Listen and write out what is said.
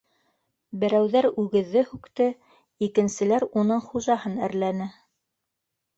Берәүҙәр үгеҙҙе һүкте, икенселәр уның хужаһын әрләне.